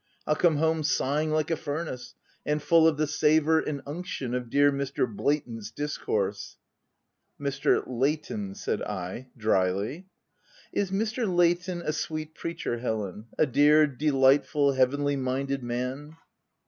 Pll come home sighing like a furnace, and full of the savour and unction of dear Mr. Blatant's dis course —"" Mr. Leighton," said I, dryly. " Is Mr. Leighton a ' sweet preacher/ Helen — a 'dear, delightful, heavenly minded man?'"